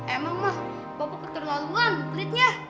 emang mah bapak keterlaluan pelitnya